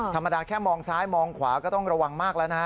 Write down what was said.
ธรรมดาแค่มองซ้ายมองขวาก็ต้องระวังมากแล้วนะ